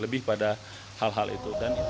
lebih pada hal hal itu